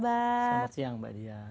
selamat siang mbak dian